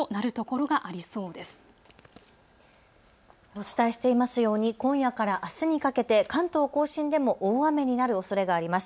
お伝えしていますように今夜からあすにかけて関東甲信でも大雨になるおそれがあります。